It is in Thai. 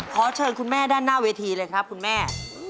ขอเชิญคุณแม่ด้านหน้าเวทีเลยครับคุณแม่